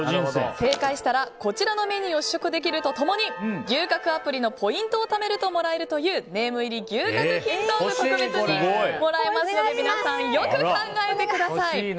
正解したら、こちらのメニューを試食できると共に牛角アプリのポイントをためるともらえるというネーム入り牛角金トングが特別にもらえますので皆さん、よく考えてください。